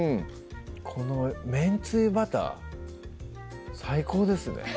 このめんつゆバター最高ですね